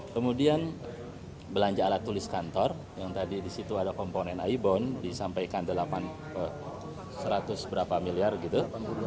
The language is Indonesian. kemudian belanja alat tulis kantor yang tadi di situ ada komponen aibon disampaikan seratus berapa miliar gitu delapan puluh dua